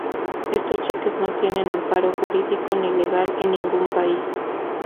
Estos cheques no tienen amparo jurídico ni legal en ningún país.